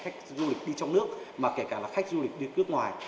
là khách du lịch đi trong nước mà kể cả là khách du lịch đi nước ngoài